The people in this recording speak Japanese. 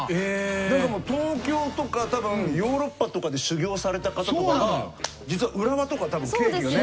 なんかもう東京とかたぶんヨーロッパとかで修業された方とかが実は浦和とかたぶんケーキがね。